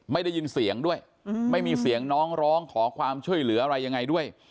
ไม่ได้ยินเสียงด้วยไม่มีเสียงน้องร้องขอความช่วยเหลืออะไรยังไงด้วย